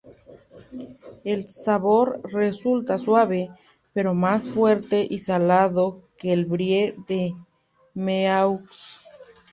El sabor resulta suave, pero más fuerte y salado que el Brie de Meaux.